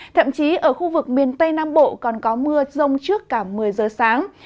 thậm chí ở khu vực miền tây nam bộ còn có mưa rông trước cả một mươi giờ sáng